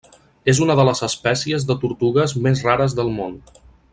És una de les espècies de tortugues més rares del món.